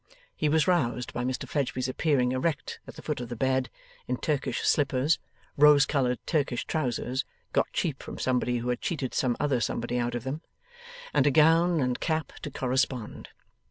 He was roused by Mr Fledgeby's appearing erect at the foot of the bed, in Turkish slippers, rose coloured Turkish trousers (got cheap from somebody who had cheated some other somebody out of them), and a gown and cap to correspond.